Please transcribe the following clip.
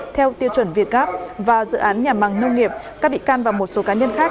theo tiêu chuẩn việt gáp và dự án nhà màng nông nghiệp các bị can và một số cá nhân khác